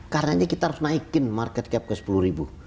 karena kita harus naikin market cap ke sepuluh ribu